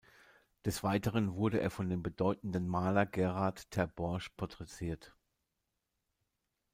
Des Weiteren wurde er von dem bedeutenden Maler Gerard ter Borch porträtiert.